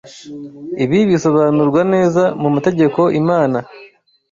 Ibi bisobanurwa neza mu mategeko Imana